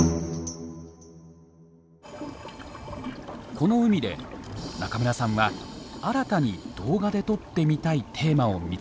この海で中村さんは新たに動画で撮ってみたいテーマを見つけました。